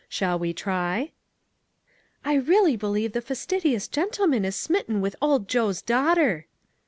Shall we try?" "I really believe the fastidious gentleman is smitten with Old Joe's daughter